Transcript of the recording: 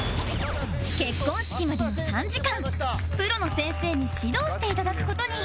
結婚式までの３時間プロの先生に指導していただく事に